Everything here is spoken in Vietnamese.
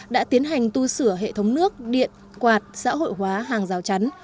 đã tiến hành tu sửa hệ thống nước điện quạt xã hội hóa hàng rào chắn